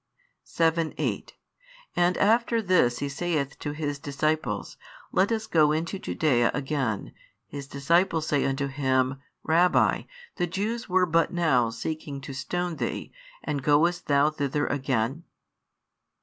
|112 7, 8 And after this He saith to His disciples, Let us go into Judaea again, His disciples say unto Him. Rabbi, the Jews were but now seeking to stone Thee; and goest Thou thither again?